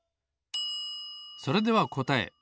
それではこたえ。